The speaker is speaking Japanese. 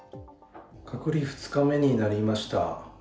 隔離２日目になりました。